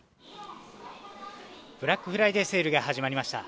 ブラックフライデーセールが始まりました。